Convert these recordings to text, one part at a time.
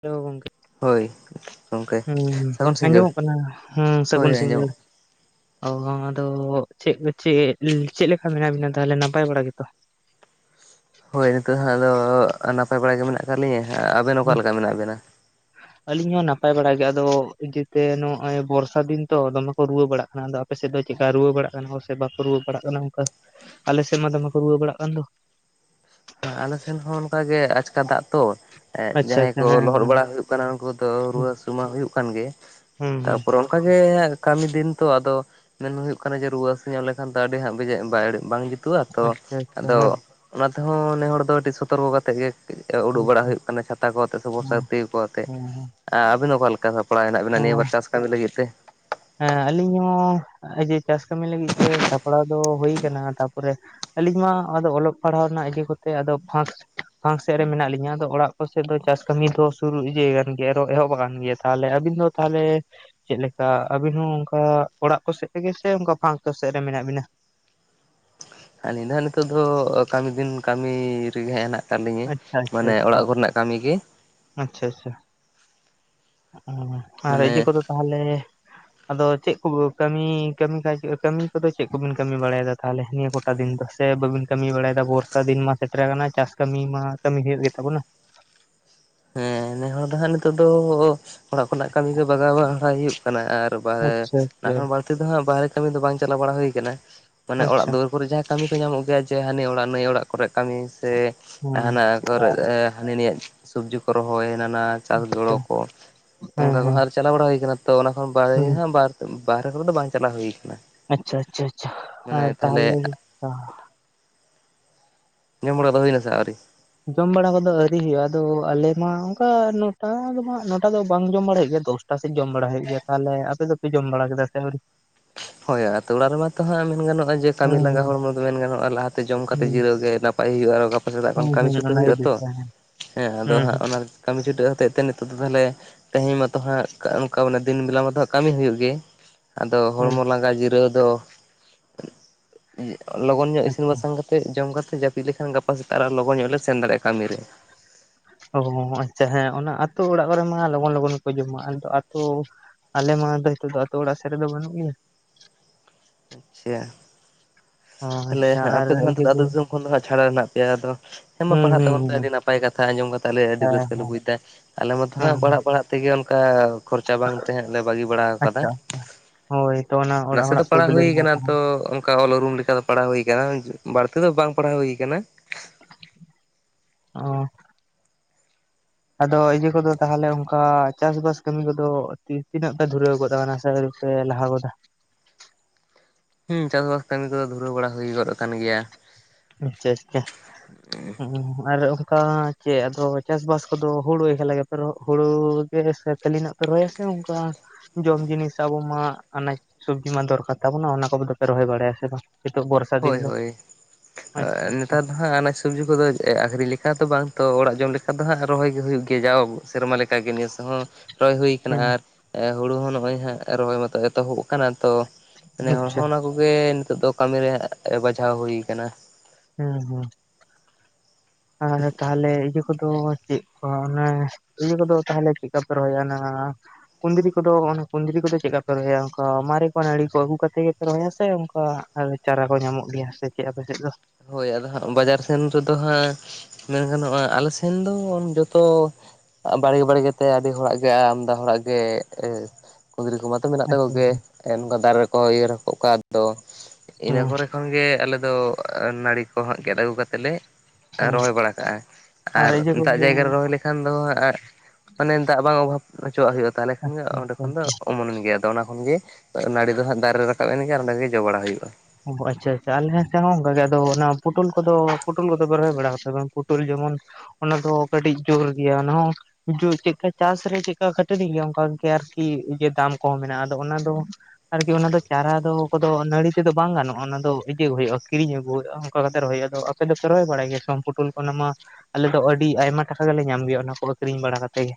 ᱪᱮᱞᱮ ᱜᱚ ᱜᱚᱝᱠᱮ? ᱦᱳᱭ ᱜᱚᱝᱠᱮ ᱦᱩᱸ ᱦᱩᱸ ᱥᱟᱹᱜᱩᱱ ᱥᱤᱸᱜᱟᱹᱲ ᱟᱸᱡᱚᱢᱚᱜ ᱠᱟᱱᱟ, ᱦᱩᱸ ᱥᱟᱹᱜᱩᱱ ᱦᱳᱭ ᱟᱸᱡᱚᱢᱚᱜ ᱥᱤᱸᱜᱟᱹᱲ᱾ ᱚᱦᱚᱻᱢ ᱟᱫᱚ ᱪᱮᱫ ᱠᱚ ᱪᱮᱻᱫ ᱪᱮᱜ ᱞᱮᱠᱟ ᱢᱮᱱᱟᱜ ᱵᱤᱱᱟ ᱛᱟᱦᱮᱞᱮ ᱱᱟᱯᱟᱭ ᱵᱟᱲᱟ ᱜᱮᱛᱚ? ᱦᱳᱭ ᱱᱤᱛᱚᱜ ᱦᱟᱸᱜ ᱫᱚᱻᱜ ᱱᱟᱯᱟᱭ ᱵᱟᱲᱟ ᱜᱮ ᱢᱮᱱᱟᱜ ᱟᱠᱟᱫ ᱞᱤᱧᱟ, ᱟᱵᱮᱱ ᱚᱠᱟ ᱞᱮᱠᱟ ᱢᱮᱱᱟᱜ ᱵᱮᱱᱟ? [inaudible] ᱟᱹᱞᱤᱧ ᱦᱚᱸ ᱱᱟᱯᱟᱭ ᱵᱟᱲᱟ ᱜᱮ, ᱟᱫᱚ ᱡᱮᱛᱮ ᱱᱚᱜᱼᱚᱭ ᱵᱚᱨᱥᱟ ᱫᱤᱱ ᱛᱚ ᱫᱚᱢᱮ ᱠᱚ ᱨᱩᱣᱟᱹ ᱵᱟᱲᱟᱜ ᱠᱟᱱᱟ, ᱟᱫᱚ ᱟᱯ- ᱯᱮ ᱥᱮᱫ ᱫᱚ ᱪᱮᱠᱟ ᱨᱩᱣᱟᱹ ᱵᱟᱲᱟᱜ ᱠᱟᱱᱟ ᱥᱮ ᱵᱟᱠᱚ ᱨᱩᱣᱟᱹ ᱵᱟᱲᱟᱜ ᱠᱟᱱᱟ ᱚᱸᱠᱟ, ᱟᱞᱮ ᱥᱮᱫ ᱢᱟ ᱫᱚᱢᱮ ᱠᱚ ᱨᱩᱣᱟᱹ ᱵᱟᱲᱟᱜ ᱠᱟᱱ ᱫᱚ? ᱦᱮᱸ ᱟᱞᱮ ᱥᱮᱱ ᱦᱚᱸ ᱚᱱᱠᱟ ᱜᱮ ᱟᱪᱠᱟ ᱫᱟᱜ ᱛᱚ ᱟᱪᱪᱷᱟ ᱡᱟᱦᱟᱸᱭ ᱟᱪᱪᱷᱟ ᱠᱚ ᱦᱮᱸ ᱞᱚᱦᱚᱫ ᱦᱮᱸ ᱵᱟᱲᱟ ᱦᱩᱭᱩᱜ ᱠᱟᱱᱟ ᱩᱱᱠᱩ ᱫᱚ ᱦᱩᱸ ᱨᱩᱣᱟᱹ ᱦᱟᱹᱥᱩ ᱢᱟ ᱦᱩᱭᱩᱜ ᱠᱟᱱ ᱜᱮ᱾ ᱦᱩᱸ ᱛᱟᱯᱚᱨ ᱚᱱᱠᱟᱜᱮ ᱠᱟᱹᱢᱤ ᱫᱤᱱ ᱛᱚ ᱟᱫᱚ ᱢᱮᱱ ᱦᱩᱭᱩᱜ ᱠᱟᱱᱟ ᱡᱮ ᱨᱩᱣᱟᱹ ᱦᱟᱹᱥᱩ ᱧᱚᱜ ᱞᱮᱠᱷᱟᱱ ᱫᱚ ᱟᱹᱰᱤ ᱦᱟᱸᱜ [unintelligible] ᱵᱟᱝ ᱡᱩᱛᱩᱜᱼᱟ ᱛᱚ ᱟᱪᱪᱷᱟ ᱟᱪᱪᱷᱟ ᱟᱫᱚ ᱦᱮᱸ ᱛᱮ ᱦᱚᱸ ᱱᱮ ᱦᱚᱲ ᱫᱚ ᱟᱹᱰᱤ ᱥᱚᱛᱚᱨᱠᱚ ᱠᱟᱛᱮᱜ ᱜᱮ ᱩᱰᱩᱠ ᱦᱮᱸ ᱵᱟᱲᱟ ᱦᱩᱭᱩᱜ ᱠᱟᱱᱟ ᱪᱷᱟᱛᱟ ᱠᱚ ᱟᱛᱮᱜ ᱦᱮᱸ [unintelligible] ᱠᱚ ᱟᱛᱮᱜ ᱦᱮᱸ ᱟ ᱟᱵᱤᱱ ᱫᱚ ᱚᱠᱟ ᱞᱮᱠᱟ ᱥᱟᱯᱲᱟᱣ ᱦᱮᱱᱟᱜ ᱵᱤᱱᱟ ᱱᱤᱭᱟᱹ ᱦᱮᱸ ᱵᱟᱨ ᱪᱟᱥ ᱠᱟᱹᱢᱤ ᱞᱟᱹᱜᱤᱫ ᱛᱮ? ᱦᱮᱸ ᱟᱞᱤᱧ ᱦᱚᱸ ᱡᱮ ᱪᱟᱥ ᱠᱟᱹᱢᱤ ᱞᱟᱹᱜᱤᱫ ᱛᱮ ᱥᱟᱯᱲᱟᱣ ᱫᱚ ᱦᱳᱭ ᱠᱟᱱᱟ ᱛᱟᱯᱚᱨᱮ ᱟᱞᱤᱧ ᱢᱟ ᱟᱫᱚ ᱚᱞᱚᱜ ᱯᱟᱲᱦᱟᱣ ᱨᱮᱱᱟᱜ ᱤᱫᱤ ᱠᱚᱛᱮ ᱟᱫᱚ ᱯᱷᱟᱥ ᱯᱷᱟᱸᱠ ᱥᱮᱜ ᱨᱮ ᱢᱮᱱᱟᱜ ᱞᱤᱧᱟᱹ ᱟᱫᱚ ᱚᱲᱟᱜ ᱠᱚᱥᱮᱜ ᱫᱚ ᱪᱟᱥ ᱠᱟᱹᱢᱤ ᱫᱚ ᱥᱩᱨ ᱤᱫᱤᱭᱟ ᱟᱠᱟᱱ ᱜᱮᱭᱟ ᱟᱨᱚ ᱮᱦᱚᱵ ᱟᱠᱟᱱ ᱜᱮᱭᱟ ᱛᱟᱦᱞᱮ ᱟᱹᱵᱤᱱ ᱫᱚ ᱛᱟᱦᱚᱞᱮ ᱪᱮᱜ ᱞᱮᱠᱟ? ᱟᱵᱤᱱ ᱦᱚᱸ ᱚᱱᱠᱟ ᱚᱲᱟᱜ ᱠᱚ ᱥᱮᱜ ᱨᱮᱜᱮ ᱥᱮ ᱚᱱᱠᱟ ᱯᱷᱟᱸᱠ ᱠᱚ ᱥᱮᱜ ᱨᱮ ᱢᱮᱱᱟᱜ ᱵᱤᱱᱟ? ᱟᱞᱤᱱ ᱫᱚ ᱦᱟᱸᱜ ᱱᱤᱛᱚᱜ ᱫᱚ ᱠᱟᱹᱢᱤ ᱫᱤᱱ ᱠᱟᱹᱢᱤ ᱨᱮᱜᱮ ᱦᱮᱱᱟᱜ ᱟᱞᱤᱧᱤᱜ ᱟᱪᱪᱷᱟ ᱟᱪᱪᱷᱟ ᱢᱟᱱᱮ ᱟᱪᱪᱷᱟ ᱚᱲᱟᱜ ᱠᱚᱨᱮᱱᱟᱜ ᱠᱟᱹᱢᱤ ᱜᱮ᱾ ᱟᱪᱪᱷᱟ ᱟᱪᱪᱷᱟ᱾ ᱟᱨ ᱤᱭᱟᱹ ᱢᱟᱱᱮ ᱠᱚᱫᱚ ᱛᱟᱦᱚᱞᱮ ᱟᱫᱚ ᱪᱮᱜ ᱠᱚ ᱵᱚ ᱠᱟᱹᱢᱤ ᱠᱟᱹᱢᱤ ᱠᱟᱡ ᱠᱟᱹᱢᱤ ᱠᱚᱫᱚ ᱪᱮᱜ ᱠᱚᱵᱤᱱ ᱠᱟᱹᱢᱤ ᱵᱟᱲᱟᱭᱮᱫᱟ ᱛᱟᱦᱚᱞᱮ ᱱᱤᱭᱟᱹ ᱠᱚᱴ ᱟᱵᱤᱱ ᱫᱚ ᱥᱮ ᱵᱟᱹᱵᱤᱱ ᱠᱟᱹᱢᱤ ᱵᱟᱲᱟᱭᱮᱫᱟ ᱵᱚᱨᱥᱟ ᱫᱤᱱ ᱢᱟ ᱥᱮᱴᱮᱨ ᱟᱠᱟᱱᱟ ᱪᱟᱥ ᱠᱟᱹᱢᱤ ᱢᱟ ᱦᱟᱜ ᱠᱟᱹᱢᱤ ᱜᱮ ᱦᱩᱭᱩᱜ ᱛᱟᱵᱚᱱᱟ᱾ ᱦᱮᱸ ᱱᱮ ᱦᱚᱲ ᱫᱚ ᱦᱟᱸᱜ ᱱᱤᱛᱚᱜ ᱫᱚ ᱚᱲᱟᱜ ᱠᱷᱚᱱᱟᱜ ᱠᱟᱹᱢᱤ ᱜᱮ ᱵᱟᱜᱟᱣ ᱵᱟᱲᱟᱭ ᱦᱩᱭᱩᱜ ᱛᱟᱦᱞᱮ ᱟᱨ ᱵᱟᱦᱮᱨ ᱟᱪᱪᱷᱟ ᱟᱪᱪᱷᱟ ᱚᱱᱟᱠᱷᱚᱱ ᱵᱟᱹᱲᱛᱤ ᱫᱚ ᱦᱟᱸᱜ ᱵᱟᱦᱨᱮ ᱠᱟᱹᱢᱤ ᱫᱚ ᱵᱟᱝ ᱪᱟᱞᱟᱣ ᱵᱟᱲᱟ ᱦᱩᱭ ᱠᱟᱱᱟ᱾ ᱢᱟᱱᱮ ᱚᱲᱟᱜ ᱟᱪᱪᱷᱟ ᱫᱩᱣᱟᱹᱨ ᱠᱚᱨᱮ ᱡᱟᱦᱟᱸ ᱠᱟᱹᱢᱤ ᱠᱚ ᱧᱟᱢ ᱚᱱᱛᱮ ᱪᱮ ᱦᱟᱱᱤ ᱚᱲᱟᱜ ᱱᱟᱹᱭ ᱚᱲᱟᱜ ᱠᱚᱨᱮ ᱠᱟᱹᱢᱤ ᱥᱮ ᱦᱮᱸ ᱦᱟᱱᱟ ᱠᱚᱨᱮ ᱦᱟᱹᱱᱤ ᱱᱟᱹᱭᱟᱜ ᱥᱚᱵᱡᱤ ᱯᱚᱨᱚᱯ ᱠᱚ ᱨᱚᱦᱚᱭ ᱦᱟᱱᱟ ᱱᱟ ᱪᱟᱥ ᱜᱚᱲᱚ ᱟᱪᱪᱷᱟ ᱠᱚ ᱦᱮᱸ ᱚᱱᱠᱟ ᱠᱚ ᱦᱮᱸ ᱟᱨ ᱪᱟᱞᱟᱣ ᱵᱟᱲᱟ ᱦᱩᱭ ᱟᱠᱟᱱᱟ ᱛᱚ ᱚᱱᱟ ᱠᱷᱚᱱ ᱵᱟᱦᱨᱮ ᱦᱮᱸ ᱜᱮ ᱦᱟᱜ ᱵᱟᱨ ᱵᱟᱨᱦᱚᱨ ᱫᱚ ᱵᱟᱝ ᱪᱟᱞᱟᱣ ᱦᱩᱭ ᱟᱠᱟᱱᱟ᱾ ᱟᱪᱪᱷᱟ ᱟᱪᱪᱷᱟ ᱟᱪᱪᱷᱟ ᱟᱨ ᱛᱟᱦᱚᱞᱮ ᱛᱚ ᱡᱚᱢᱚᱱ ᱟᱫᱚ ᱦᱩᱭᱮᱱᱟ ᱥᱮ ᱟᱹᱣᱨᱤ? ᱡᱚᱢ ᱵᱟᱲᱟ ᱠᱚᱫᱚ ᱟᱹᱣᱨᱤ ᱦᱩᱭᱩᱜᱼᱟ ᱟᱫᱚ ᱟᱞᱮ ᱢᱟ ᱚᱝᱠᱟ ᱱᱚᱴᱟ ᱫᱚ ᱦᱟᱜ ᱱᱚᱴᱟ ᱫᱚ ᱵᱟᱝ ᱡᱚᱢ ᱵᱟᱲᱟ ᱦᱩᱭᱩᱜ ᱜᱮᱭᱟ ᱫᱚᱥ ᱴᱟ ᱥᱮᱜ ᱡᱚᱢ ᱵᱟᱲᱟ ᱦᱩᱭᱩᱜ ᱜᱮᱭᱟ ᱛᱟᱦᱮ ᱟᱯᱮ ᱫᱚᱯᱮ ᱡᱚᱢ ᱵᱟᱲᱟ ᱠᱮᱫᱟ ᱥᱮ ᱟᱹᱣᱨᱤ? ᱦᱳᱭ ᱟᱛᱳ ᱚᱲᱟᱜ ᱨᱮᱢᱟᱛᱚ ᱦᱟᱸᱜ ᱢᱮᱱ ᱜᱟᱱᱚᱜᱼᱟ ᱡᱮ ᱠᱟᱹᱢᱤ ᱦᱮᱸ ᱞᱟᱸᱜᱟ ᱦᱮᱸ ᱦᱚᱲᱢᱚ ᱫᱚ ᱢᱮᱱ ᱜᱟᱱᱚᱜᱼᱟ ᱞᱟᱦᱟᱛᱮ ᱡᱚᱢ ᱠᱟᱛᱮ ᱦᱩᱸ ᱡᱤᱨᱟᱹᱣ ᱜᱮ ᱱᱟᱯ ᱱᱟᱯᱟᱭ ᱦᱩᱭᱩᱜᱼᱟ ᱟᱨᱚ ᱜᱟᱯᱟ ᱥᱮᱫᱟᱜ ᱦᱩᱸ ᱠᱷᱚᱱ ᱠᱟᱹᱢᱤ ᱦᱩᱸ ᱪᱷᱩᱴᱟᱹᱣ ᱚᱱᱟᱜᱮ ᱦᱩᱭᱩᱜᱼᱟ ᱵᱮᱥ ᱛᱚ ᱦᱮᱸ ᱦᱮᱸ ᱟᱫᱚ ᱦᱟᱸᱜ ᱦᱩᱸ ᱚᱱᱟ ᱠᱟᱹᱢᱤ ᱪᱷᱩᱴᱟᱹᱣ ᱦᱚᱛᱮᱜ ᱛᱮ ᱱᱤᱛᱚᱜ ᱫᱚ ᱛᱟᱦᱚᱞᱮ ᱛᱮᱦᱮᱧ ᱢᱟᱛᱚ ᱦᱟᱸᱜ ᱚᱱᱠᱟ ᱚᱱᱠᱟ ᱢᱟᱱᱮ ᱫᱤᱱ ᱵᱮᱞᱟ ᱢᱟᱛᱚ ᱦᱟᱸᱜ ᱠᱟᱹᱢᱤ ᱦᱩᱭᱩᱜ ᱜᱤ ᱟᱫᱚ ᱦᱩᱸ ᱦᱚᱲᱢᱚ ᱞᱟᱸᱜᱟ ᱡᱤᱨᱟᱹᱣ ᱫᱚ ᱞᱚᱜᱚᱱ ᱧᱚᱜ ᱤᱥᱤᱱ ᱟᱪᱪᱷᱟ ᱵᱟᱥᱟᱝ ᱠᱟᱛ ᱛᱮᱫ ᱡᱚᱢ ᱠᱟᱛᱮᱜ ᱡᱟᱹᱯᱤᱫ ᱞᱮᱠᱷᱟᱱ ᱜᱟᱯᱟ ᱥᱮᱛᱟᱜ ᱟᱨ ᱞᱚᱜᱚᱱ ᱧᱚᱜ ᱞᱮ ᱥᱮᱱ ᱫᱟᱲᱮᱭᱟᱜ ᱠᱟᱹᱢᱤ ᱨᱮ ᱚ ᱦᱚᱸ ᱦᱚᱸ ᱟᱪᱪᱷᱟ ᱦᱮᱸ ᱚᱱᱟ ᱟᱹᱛᱳ ᱚᱲᱟᱜ ᱠᱚᱨᱮ ᱢᱟ ᱞᱚᱜᱚᱱ ᱞᱚᱜᱚᱱ ᱜᱮᱠᱚ ᱡᱚᱢᱟ ᱟᱫᱚ ᱟᱹᱛᱳ ᱟᱞᱮ ᱢᱟ ᱟᱫᱚ ᱱᱤᱛᱚᱜ ᱫᱚ ᱟᱛᱳ ᱚᱲᱟᱜ ᱥᱮᱫ ᱨᱮᱫᱚ ᱵᱟᱹᱱᱩᱜ ᱜᱮᱭᱟ᱾ ᱟᱪᱪᱷᱟ ᱚ ᱛᱟᱦᱞᱮ ᱟᱪᱪᱷᱟ ᱟᱨ ᱟᱯᱮ ᱫᱚ ᱦᱟᱸᱜ ᱱᱤᱛᱚᱜ ᱤᱭᱟᱹ ᱫᱚ ᱟᱹᱛᱳ ᱫᱤᱥᱚᱢ ᱠᱷᱚᱱ ᱫᱚ ᱦᱟᱸᱜ ᱪᱷᱟᱲᱟ ᱨᱮ ᱦᱮᱱᱟᱜ ᱯᱮᱭᱟ ᱟᱫᱚ ᱦᱮᱸ ᱢᱟ ᱦᱩᱸ ᱯᱟᱲᱦᱟᱜ ᱦᱩᱸ ᱛᱟᱵᱚᱱᱯᱮ ᱦᱩᱸ ᱟᱹᱰᱤ ᱱᱟᱯᱟᱭ ᱠᱟᱛᱷᱟ ᱟᱸᱡᱚᱢ ᱠᱟᱛᱮᱜ ᱟᱞᱮ ᱟᱹᱰᱤ ᱦᱮᱸ ᱨᱟᱹᱥᱠᱟᱹ ᱞᱮ ᱵᱩᱡ ᱫᱟ ᱟᱞᱮ ᱢᱟᱛᱚ ᱦᱟᱸᱜ ᱦᱮᱸ ᱯᱟᱲᱦᱟᱜ ᱯᱟᱲᱦᱟᱜ ᱛᱮᱜᱮ ᱚᱱᱠᱟ ᱠᱷᱚᱨᱪᱟ ᱵᱟᱝ ᱛᱟᱦᱮᱸᱜ ᱞᱮ ᱵᱟᱹᱜᱤ ᱵᱟᱲᱟᱣ ᱠᱟᱫᱟ ᱟᱪᱪᱷᱟ ᱦᱳᱭ ᱛᱚ ᱚᱱᱟ ᱚᱲᱟᱜ ᱱᱟᱥᱮ ᱫᱚ ᱦᱚᱲᱟᱜ ᱯᱟᱲᱦᱟᱣ ᱯᱨᱚᱵᱞᱮᱢ ᱦᱩᱭ ᱢᱟ ᱠᱟᱱᱟ ᱛᱟᱦᱮᱱ ᱛᱚ ᱚᱱᱠᱟ ᱚᱞ ᱩᱨᱩᱢ ᱞᱮᱠᱟ ᱫᱚ ᱯᱟᱲᱦᱟᱣ ᱦᱩᱭ ᱠᱟᱱᱟ ᱵᱟᱹᱲᱛᱤ ᱫᱚ ᱵᱟᱝ ᱯᱟᱲᱦᱟᱣ ᱦᱩᱭ ᱠᱟᱱᱟ᱾ ᱚ ᱟᱫᱚ ᱤᱭᱟᱹ ᱠᱚᱫᱚ ᱛᱟᱦᱚᱞᱮ ᱚᱱᱠᱟ ᱪᱟᱥᱵᱟᱥ ᱠᱟᱹᱢᱤ ᱠᱚᱫᱚ ᱛᱤ ᱛᱤᱱᱟᱹᱜ ᱯᱮ ᱫᱷᱩᱨᱟᱹᱣ ᱠᱟᱫᱟ ᱢᱟᱱᱮ ᱥᱮ ᱟᱹᱣᱨᱤ ᱥᱮ ᱞᱟᱦᱟ ᱜᱚᱫᱟ᱾ ᱦᱩᱸ ᱪᱟᱥ ᱵᱟᱥ ᱠᱟᱹᱢᱤ ᱠᱚᱫᱚ ᱫᱷᱩᱨᱟᱹᱣ ᱵᱟᱲᱟ ᱦᱩᱭ ᱜᱚᱫ ᱟᱠᱟᱱ ᱜᱮᱭᱟ᱾ ᱟᱪᱪᱷᱟ ᱟᱪᱪᱷᱟ ᱟᱨ ᱚᱱᱠᱟ ᱪᱮᱫ ᱟᱫᱚ ᱪᱟᱥᱵᱟᱥ ᱠᱚᱫᱚ ᱦᱩᱲᱩ ᱮᱠᱞᱟ ᱜᱮᱯᱮ ᱨᱚ ᱦᱩᱲᱩ ᱜᱮ ᱥᱮ ᱠᱷᱟᱹᱞᱤᱱᱟᱜ ᱯᱮ ᱨᱚᱦᱚᱭᱟ ᱥᱮ ᱚᱱᱠᱟ ᱡᱚᱢ ᱡᱤᱱᱤᱥ ᱟᱵᱚ ᱢᱟ ᱟᱱᱟᱡᱽ ᱥᱚᱵᱽᱡᱤ ᱢᱟ ᱫᱚᱨᱠᱟᱨ ᱛᱟᱵᱚᱱᱟ ᱚᱱᱟ ᱠᱚᱫᱚ ᱫᱚᱯᱮ ᱨᱚᱦᱚᱭ ᱵᱟᱲᱟᱭᱟ ᱥᱮ ᱵᱟᱝ? ᱦᱤᱛᱚ ᱵᱚᱨᱥᱟ ᱫᱤᱱ ᱫᱚ᱾ ᱟᱪᱪᱷᱟ ᱮᱸ ᱟᱪᱪᱷᱟ ᱱᱮᱛᱟᱨ ᱫᱚ ᱦᱟᱸᱜ ᱟᱱᱟᱡᱽ ᱥᱚᱵᱽᱡᱤ ᱠᱚᱫᱚ ᱮᱸ ᱟᱠᱷᱨᱤᱧ ᱞᱮᱠᱟ ᱫᱚ ᱵᱟᱝ ᱛᱚ ᱚᱲᱟᱜ ᱡᱚᱢ ᱞᱮᱠᱟ ᱫᱚ ᱦᱟᱸᱜ ᱨᱚᱦᱚᱭ ᱜᱮ ᱦᱩᱭᱩᱜ ᱜᱮᱭᱟ ᱡᱟᱣ ᱥᱮᱨᱢᱟ ᱞᱮᱠᱟᱜᱮ ᱱᱤᱭᱟᱹ ᱥᱮᱨᱢᱟ ᱦᱚᱸ ᱨᱚᱦᱚᱭ ᱦᱩᱭ ᱠᱟᱱᱟ ᱦᱩᱸ ᱟᱨ ᱮᱸ ᱦᱩᱲᱩ ᱦᱚᱸ ᱱᱚᱜ-ᱚᱭ ᱦᱟᱸᱜ ᱨᱚᱦᱚᱭ ᱢᱟᱛᱚ ᱮᱛᱚᱦᱚᱵ ᱟᱠᱟᱱᱟ ᱛᱚ ᱱᱮ ᱦᱚᱲ ᱟᱪᱪᱷᱟ ᱦᱚᱸ ᱚᱱᱟ ᱠᱚᱜᱮ ᱱᱤᱛᱚᱜ ᱫᱚ ᱠᱟᱹᱢᱤ ᱨᱮᱭᱟᱜ ᱵᱟᱡᱷᱟᱣ ᱦᱩᱭ ᱟᱠᱟᱱᱟ᱾ ᱦᱩᱸ ᱦᱩᱸ᱾ ᱟᱨ ᱛᱟᱦᱚᱞᱮ ᱤᱭᱟᱹ ᱠᱚᱫᱚ ᱪᱮᱫ ᱠᱚ ᱚᱱᱮ ᱤᱭᱟᱹ ᱠᱚᱫᱚ ᱛᱟᱦᱚᱞᱮ ᱪᱮᱫᱠᱟᱯᱮ ᱨᱚᱦᱚᱭᱟ ᱚᱱᱟ ᱠᱩᱸᱱᱫᱽᱨᱤ ᱠᱚᱫᱚ ᱚᱱᱟ ᱠᱩᱸᱱᱫᱽᱨᱤ ᱠᱚᱫᱚ ᱪᱮᱫᱠᱟ ᱯᱮ ᱨᱚᱦᱚᱭᱟ ᱚᱱᱠᱟ ᱢᱟᱨᱮ ᱠᱚ ᱱᱟᱹᱲᱤ ᱠᱚ ᱟᱹᱜᱩ ᱠᱟᱛᱮᱜ ᱜᱮᱯᱮ ᱨᱚᱦᱚᱭᱟ ᱥᱮ ᱚᱱᱠᱟ ᱯᱟᱞᱮ ᱪᱟᱨᱟ ᱠᱚ ᱧᱟᱢᱚᱜ ᱜᱮᱭᱟ ᱥᱮ ᱪᱮᱫ ᱟᱯᱮᱥᱮᱫ ᱫᱚ? ᱦᱳᱭ ᱟᱫᱚ ᱦᱟᱸᱜ ᱵᱟᱡᱟᱨ ᱥᱮᱱ ᱨᱮᱫᱚ ᱦᱟᱸᱜ ᱢᱮᱱ ᱜᱟᱱᱚᱜᱼᱟ ᱟᱞᱮ ᱥᱮᱱ ᱫᱚ ᱡᱚᱛᱚ ᱟ ᱵᱟᱲᱜᱮ ᱵᱟᱲᱜᱮᱛᱮ ᱟᱹᱰᱤ ᱦᱚᱲᱟᱜ ᱜᱮ ᱟᱢᱫᱟ ᱦᱚᱲᱟᱜ ᱜᱮ ᱮᱸ ᱠᱩᱸᱫᱽᱨᱤ ᱠᱚᱢᱟ ᱛᱚ ᱢᱮᱱᱟᱜ ᱛᱟᱠᱚ ᱟᱪᱪᱷᱟ ᱜᱮ ᱦᱩᱸ ᱮᱸ ᱱᱚᱝᱠᱟ ᱫᱟᱨᱮ ᱨᱮᱠᱚ ᱤᱭᱟᱹᱜ ᱨᱮᱠᱚ [unintelligible] ᱤᱱᱟᱹ ᱦᱩᱸ ᱠᱚᱨᱮ ᱠᱷᱚᱱᱜ ᱜᱮ ᱟᱞᱮ ᱫᱚ ᱱᱟᱹᱲᱤ ᱠᱚ ᱦᱟᱸᱜ ᱜᱮᱫ ᱟᱹᱜᱩ ᱠᱟᱛᱮ ᱞᱮ ᱟᱸ ᱨᱚᱦᱚᱭ ᱵᱟᱲᱟ ᱠᱟᱜᱼᱟ ᱟᱨ ᱤᱭᱟᱹ ᱫᱟᱜ ᱠᱚᱫᱚ ᱡᱟᱭᱜᱟ ᱨᱮ ᱨᱚᱦᱚᱭ ᱞᱮ ᱠᱷᱟᱱ ᱫᱚ ᱟ ᱢᱟᱱᱮ ᱫᱟᱜ ᱵᱟᱝ ᱚᱵᱷᱟᱵᱽ ᱚᱪᱚᱣᱟᱜ ᱦᱩᱭᱩᱜᱼᱟ ᱛᱟᱦᱚᱞᱮ ᱠᱷᱟᱱ ᱜᱮ ᱟᱪᱪᱷᱟ ᱚᱸᱰᱮ ᱠᱷᱚᱱ ᱫᱚ ᱚᱢᱚᱱᱮᱱ ᱜᱮᱭᱟ, ᱟᱫᱚ ᱚᱱᱟ ᱠᱷᱚᱱᱸᱜᱮ ᱟᱫᱚ ᱱᱟᱹᱲᱤ ᱫᱚ ᱦᱟᱸᱜ ᱫᱟᱨᱮ ᱨᱮ ᱨᱟᱠᱟᱵ ᱮᱱ ᱜᱮ ᱟᱨ ᱚᱸᱰᱮ ᱜᱮ ᱡᱚ ᱵᱟᱲᱟ ᱦᱩᱭᱩᱜᱼᱟ᱾ ᱚᱦᱚ ᱟᱪᱪᱷᱟ ᱟᱪᱪᱷᱟ ᱟᱞᱮ ᱥᱮ ᱦᱚᱸ ᱚᱱᱠᱟ ᱜᱮ᱾ ᱟᱫᱚ ᱚᱱᱟ ᱯᱳᱴᱳᱞ ᱠᱚᱫᱚ ᱯᱳᱴᱳᱞ ᱠᱚᱫᱚ ᱯᱮ ᱨᱚᱦᱚᱭ ᱵᱟᱲᱟᱣ ᱠᱟᱫᱟ ᱥᱮ ᱵᱟᱝ ᱯᱳᱴᱳᱞ ᱡᱮᱢᱚᱱ ᱚᱱᱟ ᱫᱚ ᱠᱟᱹᱴᱤᱡ ᱡᱳᱨ ᱜᱮᱭᱟ ᱚᱱᱟ ᱦᱚᱸ [unintelligible] ᱪᱮᱫᱠᱟ ᱪᱟᱥ ᱨᱮ ᱪᱮᱫᱠᱟ ᱠᱷᱟᱹᱴᱟᱹᱱᱤ ᱜᱮᱭᱟ ᱚᱱᱠᱟ ᱜᱮ ᱟᱨᱠᱤ ᱤᱭᱟᱹ ᱫᱟᱢ ᱠᱚᱦᱚᱸ ᱦᱮᱱᱟᱜᱼᱟ ᱟᱫᱚ ᱚᱱᱟ ᱫᱚ ᱟᱨᱠᱤ ᱚᱱᱟ ᱫᱚ ᱪᱟᱨᱟ ᱫᱚ ᱠᱚᱫᱚ ᱱᱟᱹᱲᱤ ᱛᱮ ᱫᱚ ᱵᱟᱝ ᱜᱟᱱᱚᱜᱼᱟ, ᱚᱱᱟ ᱫᱚ ᱤᱡᱟᱹᱣ ᱦᱩᱭᱩᱜᱼᱟ, ᱠᱤᱨᱤᱧ ᱟᱹᱜᱩ ᱦᱩᱭᱩᱜᱼᱟ ᱚᱱᱠᱟ ᱠᱟᱛᱮᱫ ᱨᱚᱦᱚᱭ ᱦᱩᱭᱩᱜᱼᱟ᱾ ᱟᱫᱚ ᱟᱯᱮ ᱫᱚᱯᱮ ᱨᱚᱦᱚᱭ ᱵᱟᱲᱟᱭ ᱜᱮᱭᱟ ᱥᱮᱵᱟᱝ ᱯᱳᱴᱳᱞ ᱠᱚ ᱚᱱᱟ ᱢᱟ ᱟᱞᱮᱫ ᱫᱚ ᱟᱹᱰᱤ ᱟᱭᱢᱟ ᱴᱟᱠᱟ ᱜᱮᱞᱮ ᱧᱟᱢ ᱜᱮᱭᱟ ᱚᱱᱟ ᱠᱚ ᱟᱹᱷᱨᱤᱧ ᱵᱟᱲᱟ ᱠᱟᱛᱮ ᱜᱮ᱾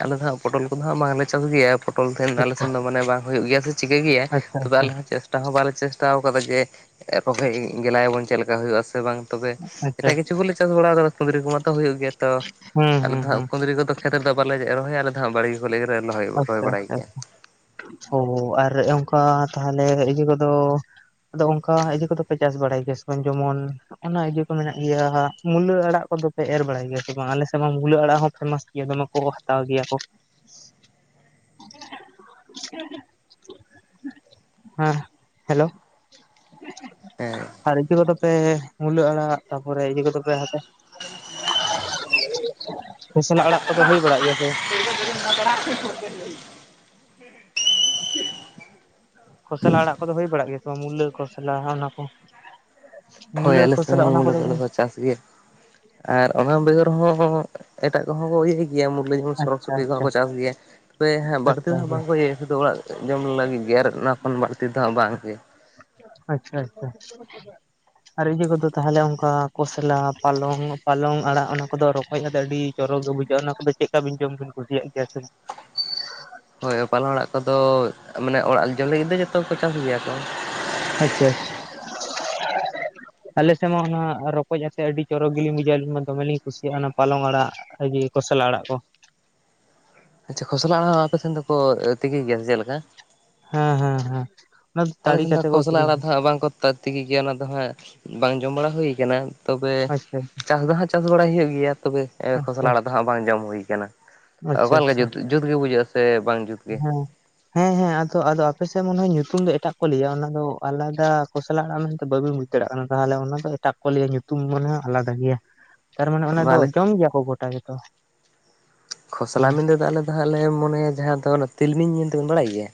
ᱟᱞᱮ ᱫᱚ ᱦᱟᱸᱜ ᱯᱚᱴᱚᱞ ᱠᱚᱫᱚ ᱦᱟᱸᱜ ᱵᱟᱝᱞᱮ ᱪᱟᱥ ᱜᱮᱭᱟ᱾ ᱯᱚᱴᱚᱞ ᱛᱟᱦᱮᱱ ᱫᱚ ᱟᱞᱮᱥᱱ ᱫᱚ ᱢᱟᱱᱮ ᱵᱟᱝ ᱦᱩᱭᱩᱜ ᱜᱮᱭᱟ ᱥᱮ ᱪᱤᱠᱟᱹ ᱜᱮᱭᱟ, ᱟᱪᱪᱷᱟ ᱛᱚᱵᱮ ᱟᱪᱪᱷᱟ ᱟᱞᱮᱫ [unintelligible] ᱴᱟ ᱦᱚᱸ ᱵᱟᱞᱮ ᱪᱮᱥᱴᱟᱣ ᱟᱠᱟᱫᱟ ᱡᱮ [unintelligible] ᱜᱮᱞᱟᱭᱟᱵᱚᱱ᱾ ᱪᱮᱫᱞᱮᱠᱟ ᱦᱩᱭᱩᱜᱼᱟ ᱥᱮ ᱵᱟᱝ ᱛᱚᱵᱮ ᱟᱪᱪᱷᱟ ᱮᱴᱟᱜ ᱠᱤᱪᱷᱩ ᱠᱚᱞᱮ ᱪᱟᱥ ᱵᱟᱲᱟᱣ ᱠᱟᱫᱟ ᱥᱩᱫᱽᱨᱤ ᱠᱚᱢᱟᱛᱚ ᱦᱩᱭᱩᱜ ᱜᱮᱭᱟ᱾ ᱛᱚ ᱦᱩᱸ ᱟᱞᱮᱫ ᱦᱩᱸ ᱫᱚ ᱦᱟᱜ ᱦᱩᱸ ᱠᱩᱸᱫᱽᱨᱤ ᱠᱚᱫᱚ ᱠᱷᱮᱛ ᱨᱮᱫᱚ ᱵᱟᱞᱮ ᱨᱚᱦᱚᱭᱟ᱾ ᱟᱞᱮ ᱫᱚ ᱦᱟᱸᱜ ᱵᱟᱲᱜᱮ ᱠᱚᱞᱮ ᱜᱮᱨᱮ ᱞᱚᱦᱚᱭᱟ᱾ ᱟᱪᱪᱷᱟ ᱟᱪᱪᱷᱟ᱾ ᱚ ᱟᱨ ᱚᱱᱠᱟ ᱛᱟᱦᱚᱞᱮ ᱤᱭᱟᱹ ᱠᱚᱫᱚ ᱟᱫᱚ ᱚᱱᱠᱟ ᱤᱭᱟᱹᱤ ᱠᱚᱫᱚ ᱯᱮ ᱪᱟᱥ ᱵᱟᱲᱟᱭ ᱜᱮᱭᱟ ᱥᱮ ᱵᱟᱝ ᱡᱮᱢᱚᱱ ᱚᱱᱟ ᱤᱭᱟᱹ ᱠᱚ ᱢᱮᱱᱟᱜ ᱜᱮᱭᱟ ᱢᱩᱞᱟᱹ ᱟᱲᱟᱜ ᱠᱚᱫᱚᱯᱮ ᱮᱨ ᱵᱟᱲᱟᱭ ᱜᱮᱭᱟ ᱥᱮ ᱵᱟᱝ ᱟᱞᱮ ᱥᱮᱫ ᱢᱟ ᱢᱩᱞᱟᱹ ᱟᱲᱟᱜ ᱦᱚᱸ ᱯᱷᱮᱢᱟᱥ ᱜᱮᱭᱟ ᱫᱚᱢᱮ ᱠᱚ ᱦᱟᱛᱟᱣ ᱜᱮᱭᱟ ᱠᱚ᱾ [inaudible] ᱦᱮᱸ ᱦᱮᱞᱳ᱾ ᱦᱮᱸ᱾ ᱟᱨ ᱤᱭᱟᱹ ᱠᱚᱫᱚ ᱯᱮ ᱢᱩᱞᱟᱹ ᱟᱲᱟᱜ ᱛᱟᱨᱯᱚᱨᱮ ᱤᱭᱟᱹ ᱠᱚᱫᱚ ᱯᱮ ᱦᱟᱛᱟᱣ ᱠᱷᱚᱥᱞᱟ ᱟᱲᱟᱜ ᱠᱚᱫᱚ ᱦᱩᱭ ᱵᱟᱲᱟᱜ ᱜᱮᱭᱟ ᱥᱮ ᱵᱟᱝ? [inaudible] ᱠᱷᱚᱥᱚᱞᱟ ᱟᱲᱟᱜ ᱠᱚᱫᱚ ᱦᱩᱭ ᱵᱟᱲᱟᱜ ᱜᱮᱭᱟ ᱥᱮ ᱵᱟᱝ ᱢᱩᱞᱟᱹ, ᱠᱷᱚᱥᱞᱟ ᱚᱱᱟ ᱠᱚ? ᱦᱳᱭ ᱢᱩᱞᱟᱹ ᱟᱞᱮ ᱥᱮᱫ ᱠᱷᱚᱥᱞᱟ ᱦᱚᱸ ᱚᱱᱟ ᱢᱩᱞᱟᱹ ᱠᱚᱫᱚ ᱠᱚ ᱪᱟᱥ ᱜᱮᱭᱟ᱾ ᱟᱨ ᱚᱱᱟ ᱵᱮᱜᱚᱨ ᱦᱚᱸ ᱮᱴᱟᱜ ᱠᱚᱦᱚᱸ ᱠᱚ ᱤᱭᱟᱹᱭ ᱜᱮᱭᱟ ᱢᱩᱨᱞᱟᱹ ᱡᱮᱢᱚᱱ ᱥᱚᱲᱚᱠ ᱟᱪᱪᱷᱟ ᱥᱩᱯᱤ ᱠᱚᱦᱚ ᱟᱪᱪᱷᱟ ᱠᱚ ᱪᱟᱥ ᱜᱮᱭᱟ ᱛᱚᱵᱮ ᱵᱟᱹᱲᱛᱤ ᱟᱪᱪᱷᱟ ᱫᱚᱜ ᱵᱟᱝ ᱠᱚ ᱤᱭᱟᱹᱼᱟ ᱥᱩᱫᱩ ᱚᱲᱟᱜ ᱡᱚᱢ ᱞᱟᱹᱜᱤᱫ ᱜᱮ ᱟᱨ ᱚᱱᱟ ᱠᱷᱚᱱ ᱵᱟᱹᱲᱛᱤ ᱫᱚ ᱦᱟᱸᱜ ᱵᱟᱝᱜᱮ᱾ ᱟᱪᱪᱷᱟ ᱟᱪᱪᱷᱟ᱾ ᱟᱨ ᱤᱭᱟᱹ ᱠᱚᱫᱚ ᱛᱟᱦᱚᱞᱮ ᱚᱝᱠᱟ ᱠᱚᱥᱞᱟ ᱯᱟᱞᱚᱝ ᱯᱟᱞᱚᱝ ᱟᱲᱟᱜ ᱚᱱᱟ ᱠᱚᱫᱚ ᱨᱚᱠᱚᱡ ᱟᱛᱮ ᱟᱹᱰᱤ ᱪᱚᱨᱚᱠ ᱜᱮ ᱵᱩᱡᱷᱟᱹᱜᱼᱟ ᱚᱱᱟ ᱠᱚᱫᱚ ᱪᱮᱫ ᱞᱮᱠᱟ ᱵᱤᱱ ᱡᱚᱢ ᱵᱤᱱ ᱠᱩᱥᱤᱭᱟᱜ ᱜᱮᱭᱟ ᱥᱮ? ᱦᱳᱭ ᱯᱟᱞᱚᱝ ᱟᱲᱟᱜ ᱠᱚᱫᱚ ᱢᱟᱱᱮ ᱚᱲᱟᱜ ᱡᱚᱢ ᱞᱟᱹᱜᱤᱫ ᱫᱚ ᱡᱚᱛᱚ ᱠᱚ ᱪᱟᱥ ᱜᱮᱭᱟ ᱠᱚ, ᱟᱪᱪᱷᱟ᱾ ᱟᱞᱮ ᱥᱮᱫ ᱢᱟ ᱚᱱᱟ ᱨᱚᱠᱚᱡ ᱟᱛᱮ ᱟᱹᱰᱤ ᱪᱚᱨᱚᱠ ᱜᱮᱞᱤᱧ ᱵᱩᱡᱷᱟᱹᱣ ᱟᱞᱤᱧ ᱢᱟ ᱫᱚᱢᱮᱞᱤᱧ ᱠᱩᱥᱤᱭᱟᱜᱼᱟ ᱚᱱᱟ ᱯᱟᱞᱚᱝ ᱟᱲᱟᱜ [unintelligible] ᱠᱚᱥᱞᱟ ᱟᱲᱟᱜ ᱠᱚ᱾ ᱟᱪᱪᱷᱟ ᱠᱷᱚᱥᱞᱟ ᱟᱲᱟᱜ ᱦᱚᱸ ᱟᱯᱮ ᱴᱮᱱ ᱫᱚᱠᱚ ᱛᱤᱠᱤ ᱜᱮᱭᱟ ᱥᱮ ᱪᱮᱫ ᱞᱮᱠᱟ? ᱦᱮᱸ ᱦᱮᱸ ᱦᱮᱸ᱾ ᱚᱱᱟ ᱟᱞᱮ ᱛᱟᱲᱤ ᱥᱮ ᱫᱚ ᱠᱟᱛᱮ ᱠᱚ ᱠᱷᱚᱥᱞᱟ ᱟᱲᱟᱜ ᱟᱹᱠᱷᱨᱤᱧᱟ ᱫᱚ ᱦᱟᱸᱜ ᱵᱟᱝ ᱠᱚ ᱛᱟᱹᱨ ᱛᱜᱤ ᱜᱮᱭᱟ ᱚᱱᱟ ᱫᱚ ᱦᱟᱸᱜ ᱵᱟᱝ ᱡᱚᱢ ᱵᱟᱲᱟ ᱦᱩᱭᱩ ᱠᱟᱱᱟ, ᱛᱚᱵᱮ ᱟᱪᱪᱷᱟ ᱪᱟᱥ ᱫᱚ ᱦᱟᱸᱜ ᱪᱟᱥ ᱵᱟᱲᱟᱭ ᱦᱩᱭᱩᱜ ᱜᱮᱭᱟ ᱛᱚᱵᱮ ᱠᱷᱚᱥᱚᱞ ᱟᱪᱪᱷᱟ ᱟᱲᱟᱜ ᱫᱚ ᱦᱟᱸᱜ ᱵᱟᱝ ᱡᱚᱢ ᱦᱩᱭᱩᱭ ᱠᱟᱱᱟ᱾ ᱟᱪᱪᱷᱟ ᱚᱠᱟᱞᱮ ᱟᱪᱪᱷᱟ ᱡᱩᱛ ᱜᱮ ᱵᱩᱡᱷᱟᱹᱜᱼᱟ ᱥᱮ ᱵᱟᱝ ᱡᱩᱛ ᱜᱮ ᱦᱮᱸ᱾ ᱦᱮᱸ ᱦᱮᱸ ᱟᱫᱚ ᱟᱫᱚ ᱟᱯᱮᱥᱮᱫ ᱢᱚᱱᱮ ᱦᱚᱭ ᱧᱩᱛᱩᱢ ᱫᱚ ᱮᱴᱟᱜ ᱠᱚ ᱞᱟᱹᱭᱟ ᱚᱱᱟᱫᱚ ᱟᱞᱟᱫᱟ ᱠᱚᱥᱞᱟ ᱟᱲᱟᱜ ᱢᱮᱱᱛᱮ ᱵᱟᱹᱵᱤᱱ ᱵᱩᱡ ᱫᱟᱲᱮᱭᱟᱜ ᱠᱟᱱᱟ ᱛᱟᱦᱚᱞᱮ ᱚᱱᱟ ᱫᱚ ᱮᱴᱟᱜ ᱠᱚᱞᱭᱟ ᱧᱩᱛᱩᱢ ᱢᱚᱱᱮ ᱦᱚᱭ ᱟᱞᱟᱫᱟ ᱜᱮᱭᱟ᱾ ᱛᱟᱨᱢᱟᱱᱮ ᱚᱱᱟ ᱫᱚ ᱵᱟᱞᱮ ᱡᱚᱢ ᱜᱮᱭᱟ ᱠᱚ ᱜᱚᱴᱟ ᱜᱮᱛᱚ? ᱠᱷᱚᱥᱞᱟ ᱦᱮᱸ ᱢᱮᱱ ᱛᱮᱫᱚ ᱟᱞᱮ ᱫᱚ ᱦᱟᱸᱜ ᱞᱮ ᱢᱚᱱᱮᱭᱟ ᱡᱟᱦᱟᱸ ᱫᱚ ᱛᱤᱞᱢᱤᱧ ᱢᱮᱱ ᱛᱮᱵᱮᱱ ᱵᱟᱲᱟᱭ ᱜᱮᱭᱟ?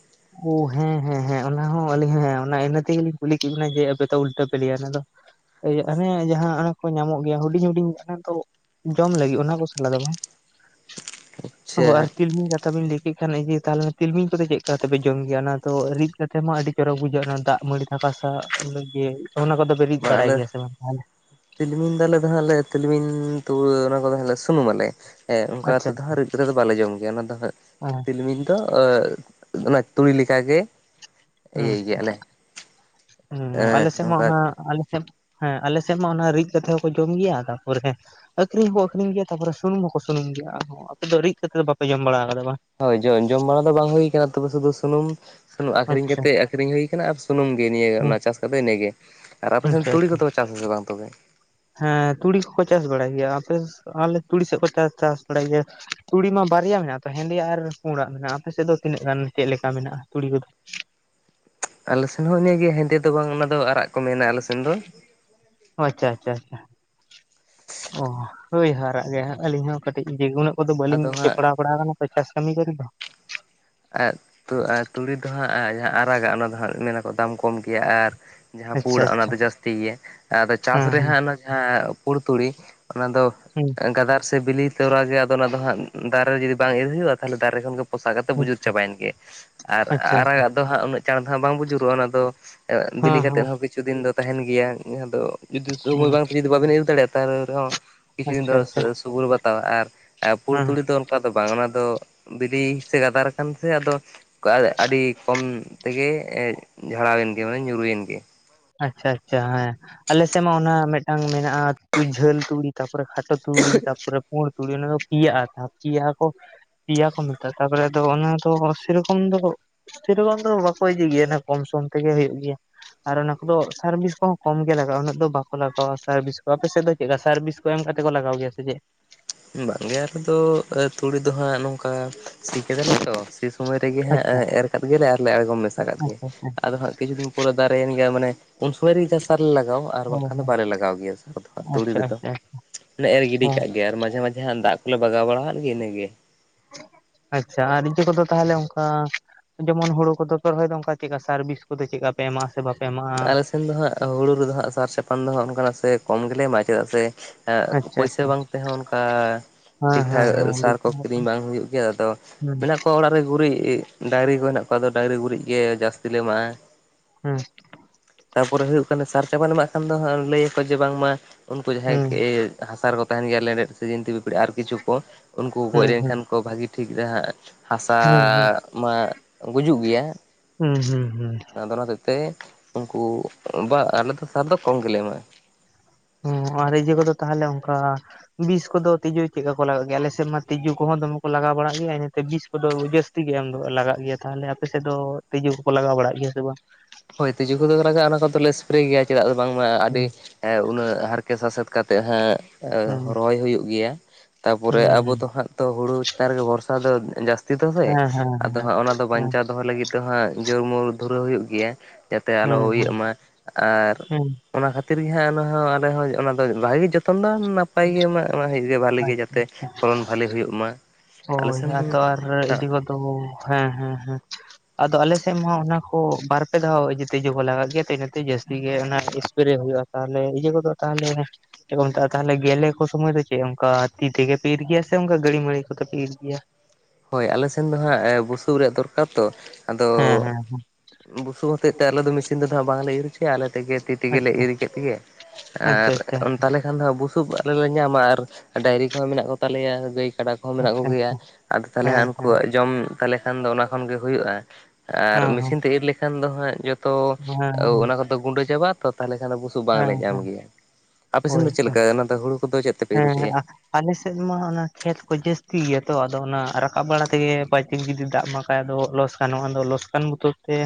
ᱳ ᱦᱮᱸ ᱦᱮᱸ ᱦᱮᱸ ᱚᱱᱟ ᱦᱚᱸ ᱟᱹᱞᱤᱧ ᱦᱮᱸ ᱚᱱᱟ ᱤᱱᱟᱹ ᱛᱮᱜᱮᱞᱤᱧ ᱠᱩᱞᱤ ᱠᱮᱫ ᱵᱮᱤᱱᱟ ᱡᱮ ᱟᱯᱮ ᱛᱚ ᱩᱞᱴᱟᱹ ᱯᱮ ᱞᱭᱟ ᱚᱱᱟ ᱫᱚ᱾ ᱤᱭᱟᱹ ᱦᱟᱱᱮ ᱡᱟᱦᱟᱸ ᱚᱱᱮ ᱠᱚ ᱧᱟᱢᱚᱜ ᱜᱮᱭᱟ ᱦᱩᱰᱤᱧ ᱦᱩᱰᱤᱧ [unintelligible] ᱫᱚ ᱡᱚᱢ ᱞᱟᱹᱜᱤᱫ ᱚᱱᱟ ᱠᱚ ᱠᱚᱥᱟᱞᱟ ᱫᱚ ᱵᱟᱝ, ᱚ ᱟᱨ ᱟᱪᱪᱷᱟ ᱛᱤᱞᱢᱤᱧ ᱠᱟᱛᱷᱟ ᱵᱤᱱ ᱞᱟᱹᱭ ᱠᱮᱫ ᱠᱷᱟᱱ ᱤᱭᱟᱹ ᱛᱟᱦᱚᱞᱮ ᱛᱤᱞᱢᱤᱧ ᱠᱚᱫᱚ ᱪᱮᱫ ᱠᱟ ᱠᱟᱛᱮ ᱯᱮ ᱡᱚᱢ ᱜᱮᱭᱟ ᱚᱱᱟ ᱫᱚ ᱨᱤᱫ ᱠᱟᱛᱮ ᱢᱟ ᱟᱹᱰᱤ ᱪᱚᱨᱚᱠ ᱵᱩᱡᱷᱟᱹᱜᱼᱟ ᱚᱱᱟ ᱫᱟᱜ ᱢᱟᱹᱲᱤ ᱫᱠᱟ ᱥᱟᱜ ᱚᱱᱟ ᱠᱚᱫᱚ ᱠᱚ ᱯᱮ ᱨᱤᱫ ᱵᱟᱝ ᱵᱟᱲᱟᱭ ᱟᱞᱮ ᱜᱮᱭᱟ ᱥᱮ ᱵᱟᱝ? ᱛᱤᱞᱢᱤᱧ ᱫᱟᱞᱮ ᱫᱚ ᱦᱟᱸᱜ ᱞᱮ ᱛᱤᱞᱢᱤᱧ ᱛᱩᱣᱟᱹ ᱚᱱᱟ ᱠᱚᱫᱚ ᱦᱟᱸᱜ ᱞᱮ ᱥᱩᱱᱩᱢ ᱟᱞᱮ᱾ ᱦᱮᱸ ᱟᱪᱪᱷᱟ ᱚᱱᱠᱟᱛᱮᱫ ᱦᱮᱸ ᱦᱟᱸᱜ ᱨᱤᱫ ᱨᱮ ᱫᱚ ᱵᱟᱞᱮ ᱡᱚᱢ ᱜᱮᱭᱟ ᱚᱱᱟ ᱫᱚ ᱦᱟᱸᱜ ᱛᱤᱞᱢᱤᱧ ᱫᱚ ᱚᱱᱟ ᱛᱩᱲᱤ ᱞᱮᱠᱟ ᱜᱮ ᱦᱩᱸ ᱩᱸ ᱮᱸ ᱟᱞᱮ ᱥᱮᱫ ᱢᱟ ᱚᱱᱠᱟ ᱚᱱᱟ ᱟᱞᱮ ᱥᱮ ᱦᱮᱸ ᱟᱞᱮᱥᱮᱫ ᱢᱟ ᱚᱱᱟ ᱨᱤᱫ ᱠᱟᱛᱮᱜ ᱦᱚᱸᱠᱚ ᱡᱚᱢ ᱜᱮᱭᱟ ᱛᱟᱯᱚᱨᱮ ᱟᱠᱷᱨᱤᱧ ᱦᱚᱸᱠᱚ ᱟᱠᱷᱨᱤᱧ ᱜᱮᱭᱟ ᱛᱟᱯᱚᱨᱮ ᱥᱩᱱᱩᱢ ᱦᱚᱸᱠᱚ ᱥᱩᱱᱩᱢ ᱜᱮᱭᱟ ᱟᱨ ᱟᱯᱚ ᱫᱚ ᱨᱤᱫ ᱠᱟᱛᱮᱫ ᱫᱚ ᱵᱟᱮ ᱡᱚᱢ ᱵᱟᱲᱟ ᱠᱟᱫᱟ ᱵᱟᱝ? ᱦᱳᱭ ᱡᱚ ᱡᱚᱢ ᱵᱟᱲᱟ ᱫᱚ ᱵᱟᱝ ᱦᱩᱭᱩ ᱠᱟᱱᱟ ᱛᱚᱵᱮ ᱥᱩᱫᱩ ᱥᱩᱱᱩᱢ ᱥᱩᱱᱩᱢ ᱟᱠᱷᱨᱤᱧ ᱟᱪᱪᱷᱟ ᱠᱟᱛᱮᱫ ᱟᱠᱷᱨᱤᱧ ᱦᱩᱭ ᱟᱠᱟᱱᱟ ᱟᱨ ᱥᱩᱱᱩᱢ ᱜᱮ ᱱᱤᱭᱟᱹ ᱦᱩᱸ ᱚᱱᱟ ᱪᱟᱥ ᱠᱟᱛᱮ ᱤᱱᱠᱟᱹᱜᱮ ᱟᱨ ᱟᱯᱮᱥᱱ ᱟᱪᱪᱷᱟ ᱛᱩᱲᱤ ᱟᱪᱪᱷᱟ ᱠᱚᱫᱚ ᱪᱟᱥ ᱜᱮ ᱵᱟᱝ ᱛᱚᱵᱮ? ᱦᱮᱸ ᱛᱩᱲᱤ ᱠᱚ ᱠᱚ ᱪᱟᱥ ᱵᱟᱲᱟᱭ ᱜᱮᱭᱟ ᱟᱯᱮ ᱟᱞᱮ ᱛᱩᱲᱤ ᱥᱮᱫ ᱠᱚ ᱪᱟᱥ ᱵᱟᱲᱟᱭ ᱜᱮᱭᱟ᱾ ᱛᱩᱲᱤ ᱢᱟ ᱵᱟᱨᱭᱟ ᱢᱮᱱᱟᱜ-ᱟ ᱛᱚ ᱦᱮᱸᱫᱮᱭᱟᱜ ᱟᱨ ᱯᱩᱲᱟᱜ ᱢᱮᱱᱟᱜ-ᱟ ᱟᱯᱮ ᱥᱮᱫ ᱫᱚ ᱛᱤᱱᱟᱹᱜ ᱜᱟᱱ ᱪᱮᱫ ᱞᱮᱠᱟ ᱢᱮᱱᱟᱜ-ᱟ ᱛᱩᱲᱤ ᱠᱚᱫᱚ? ᱟᱞᱮ ᱥᱮᱱ ᱦᱚᱸ ᱤᱱᱟᱹ ᱜᱮᱭᱟ ᱦᱮᱸᱫᱮ ᱫᱚ ᱵᱟᱝ ᱚᱱᱟ ᱫᱚ ᱟᱨᱟᱜ ᱠᱚ ᱢᱮᱱᱟ ᱟᱞᱮ ᱥᱮᱱ ᱫᱚ᱾ ᱚ ᱟᱪᱪᱷᱟ ᱟᱪᱪᱷᱟ ᱪᱷᱟ ᱚ ᱦᱳᱭ ᱦᱟᱨᱟᱜ ᱜᱮ ᱟᱹᱞᱤᱧ ᱦᱚᱸ ᱠᱟᱹᱴᱤᱡ ᱵᱤᱜᱩᱱᱚᱜ ᱠᱚᱫᱚ ᱵᱟᱹᱞᱤᱧ ᱟᱫᱚ ᱦᱟᱸᱜ ᱡᱚᱯᱲᱟᱣ ᱵᱟᱲᱟ ᱠᱟᱱᱟ ᱛᱚ ᱪᱟᱥ ᱠᱟᱹᱢᱤ ᱠᱚᱨᱮ ᱫᱚ, ᱟᱜ ᱛᱩ ᱟᱨ ᱛᱩᱲᱤ ᱫᱚ ᱦᱟᱸᱜ ᱡᱟᱦᱟᱸ ᱟᱨᱟᱜᱟᱜ ᱚᱱᱟ ᱫᱚ ᱦᱟᱸᱜ ᱢᱮᱱᱟᱠᱚ ᱫᱟᱢ ᱠᱚᱢ ᱜᱮᱭᱟ, ᱟᱨ ᱡᱟᱦᱟᱸ ᱟᱪᱪᱷᱟ ᱯᱳᱲᱟᱜ ᱚᱱᱟ ᱟᱪᱪᱷᱟ ᱫᱚ ᱡᱟᱹᱥᱛᱤ ᱜᱮᱭᱟ ᱟᱫᱚ ᱪᱟᱥ ᱦᱮᱸ ᱨᱮᱦᱟᱸᱜ ᱚᱱᱟ ᱡᱟᱦᱟᱸ ᱯᱩᱲ ᱛᱩᱲᱤ ᱚᱱᱟ ᱫᱚ ᱦᱩᱸ᱾ ᱜᱟᱫᱟᱨ ᱥᱮ ᱵᱤᱞᱤ ᱛᱚᱨᱟ ᱜᱮ ᱟᱫᱚ ᱚᱱᱟ ᱫᱚ ᱦᱟᱸᱜ ᱫᱟᱨᱮ ᱨᱮ ᱡᱩᱫᱤ ᱵᱟᱝ ᱤᱨ ᱦᱩᱭᱩᱜ-ᱟ ᱛᱟᱦᱞᱮ ᱫᱟᱨᱮ ᱠᱷᱚᱱ ᱜᱮ ᱯᱚᱥᱟᱜ ᱠᱟᱛᱮ ᱦᱩᱸ ᱵᱩᱡᱩᱨ ᱮᱱ ᱜᱮ ᱟᱨ ᱟᱪᱪᱷᱟ ᱟᱪᱪᱷᱟ ᱟᱨᱟᱜᱟᱜ ᱫᱚ ᱦᱟᱸᱜ ᱩᱱᱟᱹᱜ ᱪᱟᱬ ᱫᱚ ᱵᱟᱝ ᱵᱩᱡᱩᱨᱩᱜ-ᱟ ᱚᱱᱟ ᱫᱚ ᱵᱤᱞᱤ ᱠᱟᱛᱮᱜ ᱦᱮᱸ ᱦᱚᱸ ᱠᱤ ᱪᱷᱩ ᱫᱤᱱ ᱫᱚ ᱛᱟᱦᱮᱸᱱ ᱜᱮᱭᱟ ᱟᱫᱚ ᱡᱩᱫᱤ ᱥᱳᱚᱢᱚᱭ ᱦᱮᱸ ᱵᱟᱝ ᱡᱩᱫᱤ ᱵᱟᱵᱤᱱ ᱤᱫᱤ ᱫᱟᱲᱮᱭᱟᱜ-ᱟ ᱛᱟᱦᱚᱞᱮ ᱨᱮᱦᱚᱸ ᱠᱤᱪᱷᱩ ᱫᱤᱱ ᱟᱪᱪᱷᱟ ᱫᱚ ᱟᱪᱪᱷᱟ ᱥᱩᱨ ᱥᱩᱜᱩᱨ ᱵᱟᱛᱟᱣᱟ, ᱟᱨ ᱯᱩᱲ ᱦᱮᱸ ᱛᱩᱲᱤ ᱫᱚ ᱚᱱᱠᱟ ᱫᱚ ᱵᱟᱝ ᱚᱱᱟ ᱫᱚ ᱵᱤᱞᱤ ᱥᱮ, ᱜᱟᱫᱟᱨ ᱠᱟᱱ ᱥᱮ ᱟᱫᱚ ᱠᱟ ᱟᱹᱰᱤ ᱠᱚᱢ ᱛᱮᱜᱮ ᱡᱷᱟᱲᱟᱣᱮᱱ ᱜᱮ ᱢᱟᱱᱮ ᱧᱩᱨᱩᱭᱮᱱ ᱜᱮ᱾ ᱟᱪᱪᱷᱟ ᱟᱪᱪᱷᱟ ᱦᱮᱸ ᱟᱞᱮᱥᱮᱜ ᱢᱟ ᱚᱱᱟ ᱢᱮᱴᱟᱝ ᱢᱮᱱᱟᱜ-ᱟ ᱡᱷᱟᱹᱞ ᱛᱩᱲᱤ, ᱛᱟᱯᱚᱨᱮ ᱛᱩᱲᱤ ᱛᱟᱯᱚᱨᱮ ᱯᱩᱲ ᱛᱩᱲᱤ ᱚᱱᱟᱫᱚ ᱯᱤᱭᱟᱜ-ᱟ [unintelligible] ᱡᱟᱦᱟ ᱠᱚ ᱯᱮᱭᱟ ᱠᱚ ᱢᱮᱛᱟᱜ-ᱟ ᱛᱟᱯᱚᱨᱮ ᱟᱫᱚ᱾ ᱚᱱᱟ ᱫᱚ ᱥᱮᱨᱚᱠᱚᱢ ᱫᱚ ᱥᱮ ᱨᱚᱠᱚᱢ ᱫᱚ ᱵᱟᱠᱚ ᱤᱫᱤ ᱜᱮᱭᱟ ᱱᱟ ᱠᱚᱢ ᱥᱚᱢ ᱛᱮᱜᱮ ᱦᱩᱭᱩᱜ ᱜᱮᱭᱟ ᱟᱨ ᱚᱱᱟ ᱠᱚᱫᱚ ᱥᱟᱨ ᱵᱤᱥ ᱠᱚᱦᱚᱸ ᱠᱚᱢ ᱜᱮ ᱞᱟᱜᱟᱜ-ᱟ᱾ ᱩᱱᱟᱹᱜ ᱵᱟᱠᱚ ᱞᱟᱜᱟᱣᱟ, ᱥᱟᱨᱵᱷᱤᱥ ᱠᱚ ᱟᱯᱮ ᱥᱮᱫ ᱫᱚ ᱪᱮᱫᱠᱟ ᱥᱟᱨᱵᱤᱥ [unintelligible] ᱠᱟᱛᱮ ᱠᱚ ᱞᱟᱜᱟᱣ ᱜᱮᱭᱟ ᱥᱮ ᱪᱮ? ᱵᱟᱝᱜᱮ ᱟᱞᱮᱫᱚ ᱛᱩᱲᱤ ᱫᱚ ᱦᱟᱸᱜ ᱱᱚᱝᱠᱟ ᱥᱤ ᱠᱟᱫᱟᱞᱮ ᱛᱚ, ᱥᱤ ᱥᱚᱢᱚᱭ ᱨᱮᱜᱮ ᱦᱟᱸᱜ ᱟᱪᱪᱷᱟ ᱮᱨ ᱠᱟᱫ ᱜᱮᱞᱮ ᱟᱨᱞᱮ ᱟᱬᱜᱚᱢ ᱢᱮᱥᱟ ᱠᱟᱜ ᱜᱮ᱾ ᱟᱪᱪᱷᱟ ᱟᱪᱪᱷᱟ ᱦᱮᱸ ᱟᱫᱚ ᱦᱟᱸᱜ ᱠᱤᱪᱷᱩ ᱫᱤᱱ ᱯᱚᱨᱮ ᱫᱟᱨᱮᱭᱮᱱ ᱜᱮᱭᱟ, ᱢᱟᱱᱮ ᱩᱱ ᱥᱩᱢᱚᱭ ᱨᱮᱜᱮ ᱡᱟ ᱥᱟᱨ ᱞᱮ ᱞᱟᱜᱟᱣ, ᱟᱨ ᱵᱟᱝᱠᱷᱟᱱ ᱫᱚ ᱦᱮᱸ ᱵᱟᱞᱮ ᱞᱟᱜᱟᱣ ᱜᱮᱭᱟ ᱥᱟᱨ ᱫᱚ ᱦᱟᱜ ᱛᱩᱲᱤ ᱟᱪᱪᱷᱟ ᱨᱮᱫᱚ ᱟᱪᱪᱷᱟ ᱚᱱᱮ ᱮᱨ ᱜᱤᱰᱤ ᱦᱮᱸ ᱠᱟᱜ ᱜᱮ ᱟᱨ ᱢᱟᱡᱷᱮ ᱢᱟᱡᱷᱮ ᱦᱟᱜ ᱫᱟᱜ ᱠᱚᱞᱮ ᱵᱟᱜᱟᱣ ᱵᱟᱲᱟᱦᱟᱜ ᱜᱮ ᱤᱱᱟᱹᱜᱮ᱾ ᱟᱪᱪᱷᱟ ᱟᱨ ᱤᱡᱟᱹ ᱠᱚᱫᱚ ᱛᱟᱦᱞᱮ ᱚᱝᱠᱟ ᱡᱮᱢᱚᱱ ᱦᱳᱲᱳ ᱠᱚᱫᱚ ᱯᱮ ᱨᱚᱦᱚᱭ ᱫᱚ ᱚᱝᱠᱟ ᱪᱮᱫᱠᱟ ᱥᱟᱨ ᱵᱤᱥ ᱠᱚᱫᱚ ᱪᱮᱫ ᱠᱟ ᱯᱮ ᱮᱢᱟᱜ ᱟᱥ ᱥᱮ ᱵᱟᱯ ᱟᱞᱮ ᱥᱮᱱ ᱫᱚ ᱦᱟᱸᱜ ᱦᱩᱲᱩ ᱨᱮᱫᱚ ᱦᱟᱸᱜ ᱥᱟᱨ ᱪᱟᱯᱟᱱ ᱫᱚ ᱦᱟᱸᱜ ᱚᱱᱠᱟᱱᱟᱜ ᱥᱮ, ᱠᱚᱢ ᱜᱮᱞᱮ ᱮᱢᱟᱜ-ᱟ ᱪᱮᱫᱟᱜ ᱥᱮ ᱟᱪᱪᱷᱟ ᱟᱪᱪᱷᱟ ᱯᱩᱭᱥᱟᱹ ᱵᱟᱝ ᱛᱮᱦᱚᱸ ᱚᱱᱠᱟ ᱴᱷᱤᱠ ᱦᱮᱸ ᱴᱷᱟᱠ ᱦᱮᱸ ᱦᱮᱸ ᱥᱟᱨ ᱵᱩᱡ ᱠᱚ ᱠᱤᱨᱤᱧ ᱦᱩᱸ ᱵᱟᱝ ᱦᱩᱭᱩᱜ ᱜᱮᱭᱟ, ᱟᱫᱚ ᱢᱮᱱᱟᱜ ᱠᱚᱣᱟ ᱚᱲᱟᱜ ᱨᱮ ᱜᱩᱨᱤᱡ ᱰᱟᱭᱨᱤ ᱠᱚ ᱦᱮᱱᱟᱜ ᱠᱚᱣᱟ ᱟᱫᱚ, ᱰᱟᱭᱨᱤ ᱜᱩᱨᱤᱡ ᱜᱮ ᱡᱟᱹᱥᱛᱤ ᱞᱮ ᱮᱢᱟᱜ-ᱟ ᱦᱩᱸ ᱛᱟᱯᱚᱨᱮ ᱦᱩᱭᱩᱜ ᱠᱟᱱᱟ᱾ ᱥᱟᱨ ᱪᱟᱵᱟᱱ ᱮᱢᱟᱜ ᱠᱷᱟᱱ ᱫᱚ ᱦᱟᱜ ᱞᱟᱹᱭᱟᱠᱚ ᱡᱮ ᱵᱟᱝᱢᱟ ᱩᱱᱠᱩ ᱦᱩᱸ ᱡᱟᱦᱟᱸᱭ ᱦᱟᱥᱟ ᱨᱮᱠᱚ ᱛᱟᱦᱮᱱ ᱜᱮᱭᱟ ᱞᱮᱸᱰᱮᱫ ᱥᱮ ᱡᱤᱱᱛᱤ ᱯᱤᱯᱲᱤ ᱟᱨ ᱠᱤᱪᱷᱩ ᱠᱚ, ᱩᱱᱠᱩ ᱠᱚ ᱜᱚᱡ ᱦᱩᱸ ᱦᱩᱸ ᱦᱩᱸ ᱞᱮᱱᱠᱷᱟᱱ ᱠᱚ ᱵᱷᱟᱹᱜᱤ ᱴᱷᱤᱠ ᱨᱟᱦᱟᱜ ᱦᱟᱥᱟᱻ ᱦᱩᱸ ᱢᱟ ᱜᱩᱡᱩᱜ ᱜᱮᱭᱟ ᱦᱩᱸ ᱦᱩᱸ ᱦᱩᱸ ᱟᱫᱚ ᱚᱱᱟ ᱛᱮ ᱩᱱᱠᱩ ᱵᱟ ᱟᱞᱮ ᱫᱚ ᱥᱟᱨ ᱫᱚ ᱠᱚᱢ ᱜᱮᱞᱮ ᱮᱢᱟᱜ-ᱟ᱾ ᱦᱚᱸ ᱟᱨ ᱤᱡᱟᱹ ᱠᱚᱫᱚ ᱛᱟᱦᱞᱮ ᱚᱝᱠᱟ ᱵᱤᱥ ᱠᱚᱫᱚ ᱛᱤᱡᱩ ᱪᱮᱫᱠᱟ ᱠᱚ, ᱞᱟᱜᱟᱜ ᱜᱮᱭᱟ ᱟᱞᱮ ᱥᱮᱱ ᱢᱟ ᱛᱤᱡᱩ ᱠᱚᱦᱚᱸ, ᱫᱚᱢᱮ ᱠᱚ ᱞᱟᱜᱟᱣ ᱵᱟᱲᱟᱜ ᱜᱮᱭᱟ ᱤᱱᱟᱹᱛᱮ ᱵᱤᱥ ᱠᱚᱫᱚ ᱡᱟᱹᱥ ᱛᱤ ᱜᱮ ᱮᱢ ᱫᱚ ᱞᱟᱜᱟᱜ ᱜᱮᱭᱟ ᱛᱟᱦᱞᱮ, ᱟᱯᱮ ᱥᱮᱫ ᱫᱚ ᱛᱤᱡᱩ ᱠᱚᱠᱚ ᱞᱟᱜᱟᱣ ᱵᱟᱲᱟᱜ ᱜᱮᱭᱟ ᱥᱮ ᱵᱟᱝ? ᱦᱳᱭ ᱛᱤᱡᱩ ᱠᱚᱫᱚ ᱞᱟᱜᱟᱜ-ᱟ ᱚᱱᱟ ᱠᱚᱫᱚᱞᱮ ᱥᱯᱨᱮ ᱜᱮᱭᱟ ᱪᱮᱫᱟᱜ ᱫᱚ ᱵᱟᱝᱢᱟ ᱟᱹᱰᱤ ᱦᱩᱸ ᱮ ᱩᱱᱟᱹᱜ ᱦᱟᱨ ᱥᱟᱥᱮᱛ ᱠᱟᱛᱮᱜ ᱦᱟᱸᱜ ᱦᱩᱸ ᱨᱚᱦᱚᱭ ᱦᱩᱭᱩᱜ ᱜᱮᱭᱟ, ᱛᱟᱯᱚᱨᱮ ᱦᱩᱸ ᱟᱵᱚ ᱦᱩᱸ ᱫᱚ ᱦᱟᱸᱜ ᱛᱚ ᱦᱩᱲᱩ ᱪᱮᱛᱟᱱ ᱨᱮᱜᱮ ᱵᱷᱚᱨᱥᱟ ᱫᱚ ᱡᱟᱹᱥᱛᱤ ᱫᱚ ᱵᱮ, ᱦᱮᱸ ᱦᱮᱸ ᱟᱫᱚ ᱦᱮᱸ ᱦᱟᱸᱜ ᱚᱱᱟ ᱫᱚ ᱦᱮᱸ ᱵᱟᱧᱪᱟᱣ ᱫᱚᱦᱚᱭ ᱞᱟᱹᱜᱤᱫ ᱛᱚᱦᱟᱜ ᱡᱳᱨᱢᱳᱨ ᱫᱷᱩᱨᱟᱹᱣ ᱦᱩᱭᱩᱜ ᱜᱮᱭᱟ, ᱡᱟᱛᱮ ᱟᱞᱚ ᱦᱩᱸ ᱤᱭᱟᱹᱜ ᱦᱩᱸ ᱢᱟ ᱟᱨ ᱦᱩᱸ ᱚᱱᱟ ᱠᱷᱟᱹᱛᱤᱨ ᱜᱮ ᱦᱟᱸᱜ ᱚᱱᱟ ᱦᱚᱸ ᱟᱞᱮ ᱦᱚᱸ ᱚᱱᱟ ᱫᱚ ᱵᱷᱟᱜᱤ ᱡᱚᱛ ᱛᱚᱱᱟᱝ ᱱᱟᱯᱟᱭ ᱜᱮ ᱢᱟ [unintelligible] ᱦᱩᱭᱩᱜ ᱜᱮ ᱵᱷᱟᱜᱞᱤ ᱜᱮ ᱡᱟᱛᱮ ᱯᱷᱚᱞᱚᱱ ᱵᱷᱟᱞᱮ ᱦᱩᱭᱩᱜ ᱢᱟ ᱟᱞᱮ ᱦᱳᱭ ᱥᱮᱱ ᱟᱫᱚ ᱟᱨ ᱤᱡᱟᱹ ᱠᱚᱫᱚ ᱦᱮᱸ ᱦᱮᱸ ᱦᱮᱸ᱾ ᱟᱫᱚ ᱟᱞᱮᱥᱮᱜ ᱢᱟᱦᱟᱜ ᱚᱱᱟ ᱠᱚ ᱵᱟᱨ ᱯᱮ ᱫᱷᱟᱣ ᱤᱡᱟᱹ ᱛᱮᱡᱚ ᱠᱚ ᱞᱟᱜᱟᱜ ᱜᱮᱭᱟ ᱤᱱᱟᱹᱛᱮ ᱡᱟᱹᱥᱛᱤ ᱜᱮ ᱚᱱᱟ ᱮᱥᱯᱨᱮ ᱦᱩᱭᱩᱜ-ᱟ᱾ ᱛᱟᱦᱞᱮ ᱤᱭᱟᱹ ᱠᱚᱫᱚ ᱛᱟᱦᱞᱮ ᱢᱮᱛᱟᱜᱼᱟ᱾ ᱛᱟᱦᱚᱞᱮ ᱜᱮᱞᱮ ᱠᱚ ᱥᱚᱢᱚᱭ ᱫᱚ ᱪᱮᱫ ᱚᱝᱠᱟ ᱛᱤ ᱛᱮᱜᱮ ᱤᱨ ᱜᱮᱭᱟ, ᱥᱮ ᱚᱱᱠᱟ ᱜᱟᱹᱲᱤ ᱢᱟᱹᱲᱤ ᱠᱚᱛᱮ ᱯᱮ ᱤᱨ ᱜᱮᱭᱟ? ᱦᱳᱭ ᱟᱞᱮ ᱥᱮᱱ ᱫᱚ ᱦᱟᱸᱜ ᱵᱩᱥᱩᱵ ᱨᱮᱭᱟᱜ ᱫᱚᱨᱠᱟᱨ ᱛᱚ ᱟᱫᱚ ᱦᱮᱸ ᱦᱮᱸ ᱵᱩᱥᱩᱵ ᱦᱚᱛᱮᱡ ᱛᱮ, ᱟᱞᱮ ᱫᱚ ᱢᱮᱥᱤᱱ ᱫᱚ ᱦᱟᱜ ᱵᱟᱝ ᱞᱮ ᱤᱨ ᱦᱚᱪᱚᱭᱟ, ᱟᱞᱮᱜᱮ ᱛᱤ᱾ ᱛᱮᱜᱮᱞᱮ ᱟᱪᱪᱷᱟ ᱤᱨ ᱠᱮᱫ ᱜᱮ ᱟᱪᱪᱷᱟ ᱟᱨ ᱟᱪᱪᱷᱟ ᱛᱟᱦᱚᱞᱮ ᱠᱷᱟᱱ ᱫᱚ ᱵᱩᱥᱩᱵ ᱟᱞᱮ ᱞᱮ ᱧᱟᱢᱟ ᱟᱨ ᱰᱟᱹᱝᱨᱤ ᱠᱚᱦᱚᱸ ᱢᱮᱱᱟᱜ ᱠᱚ ᱛᱟᱞᱮᱭᱟ ᱜᱟᱹᱭ ᱠᱟᱰᱟ ᱠᱚᱦᱚᱸ ᱢᱮᱱᱟᱜ ᱟᱪᱪᱷᱟ ᱠᱚᱜᱮᱭᱟ᱾ ᱟᱪᱪᱷᱟ ᱛᱟᱦᱚᱞᱮ ᱦᱮᱸ ᱦᱟᱜ, ᱦᱮᱸ ᱩᱱᱠᱩᱣᱟᱜ ᱡᱚᱢ ᱛᱟᱦᱮ ᱠᱷᱟᱱ ᱫᱚ, ᱚᱱᱟ ᱠᱷᱚᱱ ᱜᱮ ᱦᱩᱭᱩᱜᱼᱟ ᱟᱨ ᱦᱮᱸ ᱦᱮᱸ ᱢᱤᱥᱤᱱ ᱛᱮ ᱤᱨ ᱞᱮᱠᱷᱟᱱ ᱫᱚ ᱦᱟᱸᱜ ᱡᱚᱛᱚ ᱦᱮᱸ ᱚᱱᱟ ᱠᱚᱫᱚ ᱜᱩᱸᱰᱟᱹ ᱪᱟᱵᱟ ᱛᱚ ᱛᱟᱦᱚᱞᱮ ᱠᱷᱟᱱ ᱫᱚ ᱵᱩᱥᱩᱵ ᱦᱮᱸ ᱵᱟᱝᱞᱮ ᱦᱮᱸ ᱧᱟᱢ ᱦᱮᱸ ᱜᱮᱭᱟ᱾ ᱟᱯᱮ ᱥᱮᱱ ᱦᱳᱭ ᱫᱚ ᱪᱮᱜ ᱛᱚ ᱞᱮᱠᱟ ᱚᱱᱟ ᱫᱚ ᱦᱩᱲᱩ ᱠᱚᱫᱚ ᱪᱮᱫ ᱛᱮ ᱦᱮᱸ ᱦᱮᱸ ᱟ ᱟᱞᱮᱥᱮᱫ ᱢᱟ ᱚᱱᱟ ᱠᱷᱮᱛ ᱠᱚ ᱡᱟᱹᱥᱛᱤ ᱜᱮᱭᱟ ᱛᱚ ᱟᱫᱚ ᱚᱱᱟ ᱨᱟᱠᱟᱵ ᱵᱟᱲᱟ ᱛᱮᱜᱮ ᱯᱟᱪᱮᱜ ᱡᱩᱫᱤ ᱫᱟᱜ ᱢᱟᱜ ᱟᱫᱚ ᱞᱚᱥᱠᱟᱱᱚᱜᱟ ᱟᱫᱚ ᱞᱚᱥᱠᱟᱱ ᱵᱚᱛᱚᱨᱛᱮ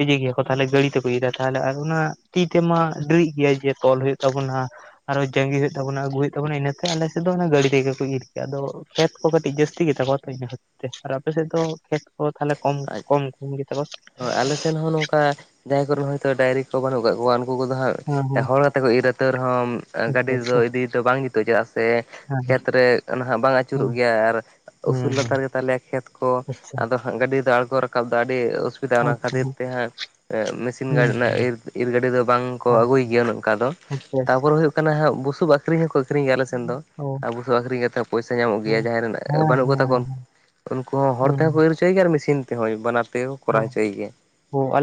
ᱤᱡᱟᱹᱭ ᱜᱮᱭᱟ ᱠᱚ ᱛᱟᱦᱞᱮ ᱜᱟᱹᱲᱤ ᱛᱮᱠᱚ ᱤᱫᱟ ᱛᱟᱦᱞᱮ ᱟᱨ ᱚᱱᱟ ᱛᱤ ᱛᱮᱢᱟ ᱰᱮᱨᱤᱜ ᱜᱮᱭᱟ ᱡᱮ ᱛᱚᱞ ᱦᱩᱭᱩᱜ ᱛᱟᱵᱚᱱᱟ᱾ ᱟᱨᱚ ᱡᱟᱸᱜᱤ ᱦᱩᱭᱩᱜ ᱛᱟᱵᱚᱱᱟ ᱟᱜᱩ ᱦᱩᱭᱩᱜ ᱛᱟᱵᱚᱱᱟ ᱤᱱᱟᱹᱛᱮ ᱟᱞᱮᱥᱮᱫ ᱫᱚ ᱚᱱᱟ ᱜᱟᱹᱰᱤ ᱛᱮᱜᱮ ᱠᱚ ᱤᱨ ᱠᱮᱭᱟ ᱟᱫᱚ ᱠᱷᱮᱛ ᱠᱚ ᱠᱟᱹᱴᱤᱡ ᱡᱟ. ᱥᱛᱤ ᱜᱮᱛᱟᱠᱚᱣᱟ ᱛᱚ ᱤᱱᱟ ᱠᱷᱟᱹᱛ ᱛᱮ ᱟᱨ ᱟᱯᱮ ᱥᱮᱫ ᱫᱚ ᱠᱷᱮᱛ ᱠᱚ ᱛᱟᱦᱞᱮ ᱠᱚᱢ-ᱠᱚᱢ ᱠᱚᱢ ᱜᱮᱛᱟ ᱠᱚ? ᱦᱳᱭ ᱟᱞᱮ ᱦᱚᱸ ᱱᱚᱝᱠᱟ ᱡᱟᱦᱟᱸᱟᱭ ᱠᱚᱨᱮᱱ ᱦᱚᱭᱛᱚ ᱰᱟᱭᱨᱤ ᱠᱚ ᱵᱟᱹᱱᱩᱜ ᱟᱠᱟᱫ ᱠᱚᱣᱟ ᱩᱱᱠᱩ ᱠᱚᱫᱚ ᱦᱟᱸᱜ ᱦᱮᱸ ᱦᱮᱸ ᱦᱚᱲ ᱠᱟᱛᱮ ᱠᱚ ᱤᱨᱟ ᱛᱟᱹᱣ ᱨᱮᱦᱚᱸ ᱟᱪᱪᱷᱟ ᱟᱪᱪᱷᱟ ᱜᱟᱹᱰᱤ ᱫᱚ ᱦᱮᱸ ᱤᱫᱤ ᱫᱚ ᱵᱟᱝ ᱡᱩᱛᱩᱜᱼᱟ ᱪᱮᱫᱟᱜ ᱥᱮ ᱠᱷᱮᱛ ᱨᱮ ᱱᱟᱦᱟᱜ ᱵᱟᱝ ᱟᱹᱪᱩᱨᱚᱜ ᱜᱮᱭᱟ ᱟᱨ ᱦᱮᱸ ᱦᱮᱸ ᱩᱥᱩᱞ ᱦᱮᱸ ᱞᱟᱛᱟᱨ ᱜᱮᱛᱟᱞᱮᱭᱟ ᱠᱷᱮᱛ ᱠᱚ, ᱟᱪᱪᱷᱟ ᱟᱫᱚ ᱜᱟᱹᱰᱤ ᱫᱚ ᱟᱬᱜᱚ ᱨᱟᱠᱟᱵ ᱫᱚ ᱟᱹᱰᱤ ᱚᱥᱩᱵᱤᱫᱟ ᱚᱱᱟ ᱟᱪᱪᱷᱟ ᱠᱷᱟᱹᱛᱤᱨ ᱛᱮ ᱦᱟᱸᱜ ᱟ ᱢᱮᱥᱤᱱ ᱦᱮᱸ ᱜᱟ ᱦᱮᱸ ᱦᱮᱸ ᱨᱮᱱᱟᱜ ᱤᱨ ᱜᱟᱹᱰᱤ ᱫᱚ ᱵᱟᱝᱠᱚ ᱟᱹᱜᱩᱭ ᱜᱮᱭᱟ ᱱᱚᱝᱠᱟ ᱫᱚ ᱟᱪᱪᱷᱟ ᱟᱪᱪᱷᱟ ᱛᱟᱨᱯᱚᱨᱮ ᱦᱩᱭᱩᱜ ᱠᱟᱱᱟ ᱦᱟᱸᱜ ᱵᱩᱥᱩᱵ ᱟᱠᱷᱨᱤᱧ ᱦᱚᱸᱠᱚ ᱟᱠᱷᱨᱤᱧ ᱜᱮᱭᱟ ᱟᱞᱮ ᱥᱮᱱ ᱫᱚ ᱚ ᱟᱵᱚ ᱫᱚ ᱟᱹᱷᱨᱤᱧ ᱠᱟ ᱠᱟᱛᱮᱫ ᱯᱚᱭᱥᱟ ᱧᱟᱢᱚᱜ ᱜᱮᱭᱟ ᱡᱟᱦᱟᱸᱭ ᱨᱮᱱ ᱵᱟᱹᱱᱩᱜ ᱠᱚᱛᱟ ᱳᱱ ᱩᱱᱠᱩ ᱦᱚᱸ ᱦᱚᱲ ᱛᱮᱦᱚᱸ ᱠᱚ ᱤᱨ ᱦᱚᱪᱚᱭᱮ ᱜᱮᱭᱟ ᱟᱨ ᱢᱮᱥᱤᱱ ᱛᱮᱦᱚᱸ ᱵᱟᱱᱟᱨ ᱛᱮ ᱠᱚᱨᱟᱣ ᱦᱚᱪᱚᱭ ᱜᱮᱭᱟ᱾ ᱚ ᱟᱞᱮ